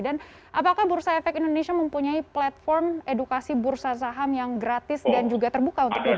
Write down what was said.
dan apakah bursa efek indonesia mempunyai platform edukasi bursa saham yang gratis dan juga terbuka untuk strategi